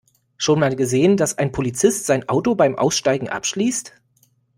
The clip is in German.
Schon mal gesehen, dass ein Polizist sein Auto beim Aussteigen abschließt?